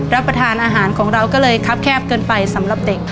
รับประทานอาหารของเราก็เลยคับแคบเกินไปสำหรับเด็ก